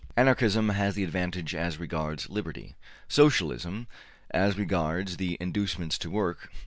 Anarchism has the advantage as regards liberty, Socialism as regards the inducements to work.